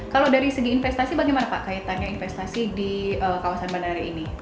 kalau dari segi investasi bagaimana pak kaitannya investasi di kawasan bandara ini